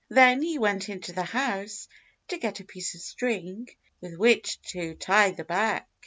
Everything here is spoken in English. Then he went into the house to get a piece of string with which to tie the bag.